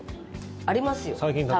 ありますよ。